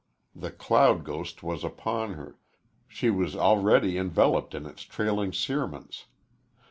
The cloud ghost was upon her she was already enveloped in its trailing cerements.